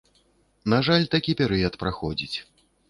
На жаль, такі перыяд праходзіць.